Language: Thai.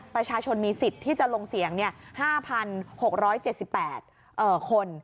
ประชาชนมีสิทธิ์ที่จะลงเสียง๕๖๗๘คน